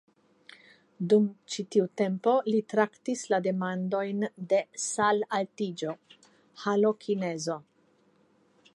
Dum ĉi tiu tempo li traktis la demandojn de salaltiĝo (halokinezo).